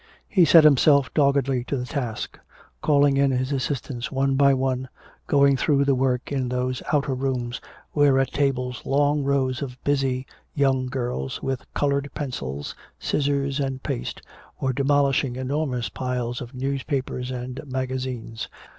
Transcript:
He set himself doggedly to the task, calling in his assistants one by one, going through the work in those outer rooms, where at tables long rows of busy young girls, with colored pencils, scissors and paste, were demolishing enormous piles of newspapers and magazines.